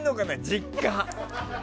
実家。